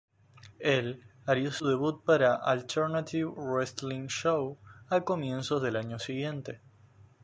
Él haría su debut para Alternative Wrestling Show a comienzos del año siguiente.